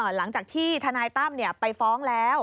หลังจากที่ทนายตั้มไปฟ้องแล้ว